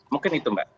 mungkin itu mbak